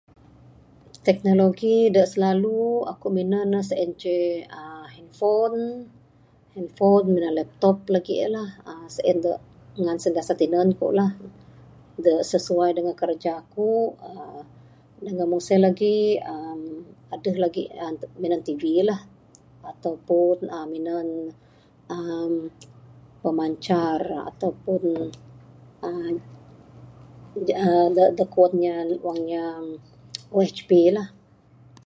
Teknologi dak silalu aku minan sien ceh uhh handphone handphone minan laptop legi ne lah sien la ngan sentiasa tinan ku lah dak sesuai dengan kerja ku uhh dengan mung sien legi uhh adeh legi minan tv la ataupun uhh minan uhh pemancar ataupun uhh dak kuan inya wang inya USB lah.